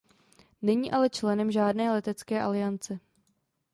Není ale členem žádné letecké aliance.